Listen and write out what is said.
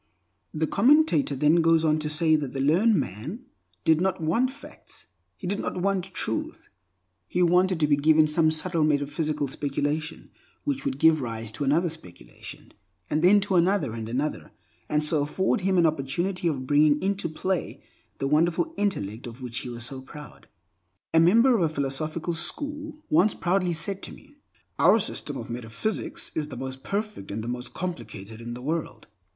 The commentator then goes on to say that the learned man did not want facts; he did not want Truth. He wanted to be given some subtle metaphysical speculation which would give rise to another speculation, and then to another and another, and so afford him an opportunity of bringing into play the wonderful intellect of which he was so proud. A member of a philosophical school once proudly said to me, "Our system of metaphysics is the most perfect and the most complicated in the world."